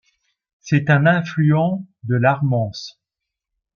C'est un affluent de l'Armance.